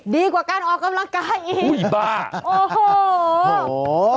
ดีกว่าการออกกำลังกายอีก